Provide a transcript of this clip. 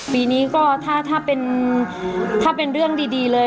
ปีนี้ก็ถ้าเป็นถ้าเป็นเรื่องดีเลย